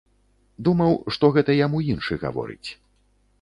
Думаў, што гэта яму іншы гаворыць.